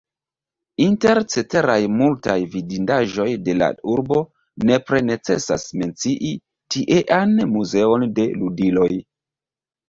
Inter ceteraj multaj vidindaĵoj de la urbo nepre necesas mencii tiean muzeon de ludiloj.